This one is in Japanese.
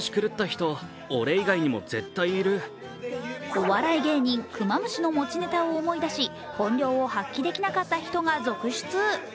お笑い芸人・クマムシの持ちネタを思い出し本領を発揮できなかった人が続出。